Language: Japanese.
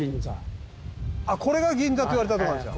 あっこれが銀座といわれたとこなんですか。